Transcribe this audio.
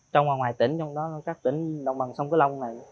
trong ngoài tỉnh trong đó các tỉnh đồng bằng sông cứa long này